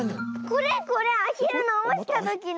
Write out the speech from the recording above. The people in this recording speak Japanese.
これこれアヒルなおしたときの。